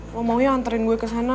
lo maunya anterin gue kesana